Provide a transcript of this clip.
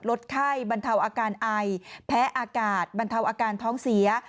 ลดไข้บรรเทาอาการไอแพ้อากาศบรรเทาอาการท้องเสีย